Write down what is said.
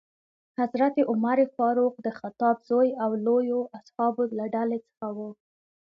حضرت عمر فاروق د خطاب زوی او لویو اصحابو له ډلې څخه ؤ.